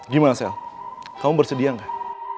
gimana sel kamu bersedia gak